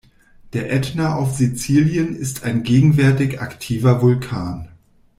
Der Ätna auf Sizilien ist ein gegenwärtig aktiver Vulkan.